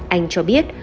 anh cho biết